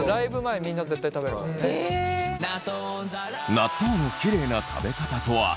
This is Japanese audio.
納豆のキレイな食べ方とは？